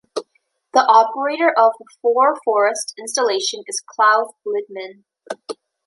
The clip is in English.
The operator of the "For Forest" installation is Klaus Littmann.